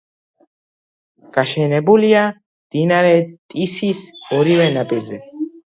გაშენებულია მდინარე ტისის ორივე ნაპირზე.